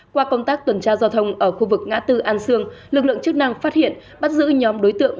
qua công tác tuần tra giao thông ở khu vực ngã tư an sương lực lượng chức năng phát hiện bắt giữ nhóm đối tượng